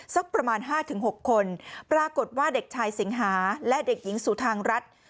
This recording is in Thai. สักประมาณ๕๖คนปรากฏว่าเด็กชายสิงหาและเด็กหญิงสุธางรัฐ